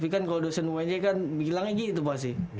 kalau dosen unj kan bilangnya gitu pasti